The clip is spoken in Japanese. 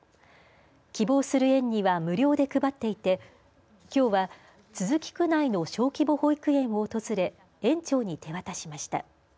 希望する園には無料で配っていてきょうは都筑区内の小規模保育園を訪れ園長に手渡しました。